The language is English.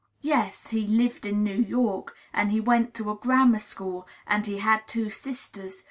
Yes, he "lived in New York," and he "went to a grammar school," and he had "two sisters."